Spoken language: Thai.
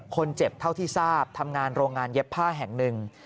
คนเจ็บเท่าที่ทราบทำงานโรงงานเย็บผ้าแห่งหนึ่ง